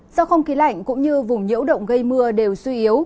do không khí lạnh cũng như vùng nhiễu động gây mưa đều suy yếu